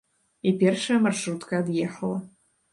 І першая маршрутка ад'ехала.